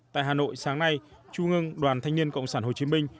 tại hà nội sáng nay trung ương đoàn thanh niên cộng sản hồ chí minh